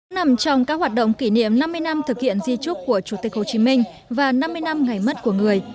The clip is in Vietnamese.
nằm trong các hoạt động kỷ niệm năm mươi năm thực hiện di trúc của chủ tịch hồ chí minh và năm mươi năm ngày mất của người